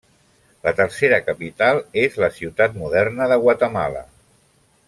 La tercera capital és la ciutat moderna de Guatemala.